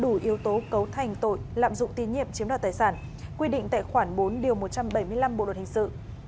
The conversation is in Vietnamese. đủ yếu tố cấu thành tội lạm dụng tín nhiệm chiếm đoạt tài sản quy định tại khoảng bốn một trăm bảy mươi năm bộ đoàn hình sự